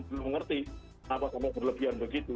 belum belum ngerti kenapa kamu berlebihan begitu